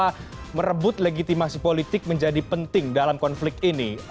kenapa terabut legitimasi politik menjadi penting dalam konflik ini